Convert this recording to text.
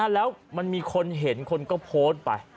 แล้วมันมีคนเห็นคนก็โพสต์ไป